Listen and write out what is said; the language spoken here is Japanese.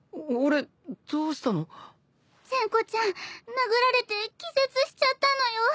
殴られて気絶しちゃったのよ。